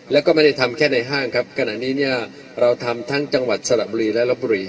แล้วก็ไม่ได้ทำแค่ในห้างครับขณะนี้เนี่ยเราทำทั้งจังหวัดสระบุรีและลบบุรี